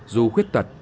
dù khuyết tật